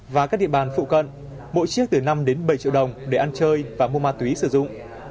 và các địa bàn phụ cận mỗi chiếc từ năm đến bảy triệu đồng để ăn chơi và mua ma túy sử dụng